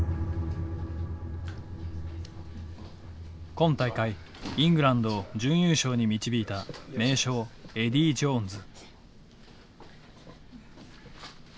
今大会イングランドを準優勝に導いた名将エディー・ジョーンズ。